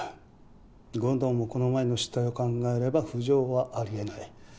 権藤もこの前の失態を考えれば浮上はあり得ない。